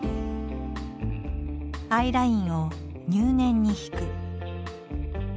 アイラインを入念に引く。